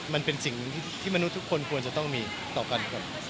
มันเป็นสิ่งที่มนุษย์ทุกคนควรจะต้องมีต่อกันครับ